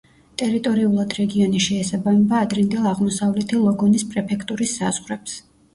ტერიტორიულად რეგიონი შეესაბამება ადრინდელ აღმოსავლეთი ლოგონის პრეფექტურის საზღვრებს.